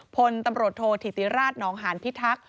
พลตำรวจโทษธิติราชนองหานพิทักษ์